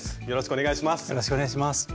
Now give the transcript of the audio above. よろしくお願いします。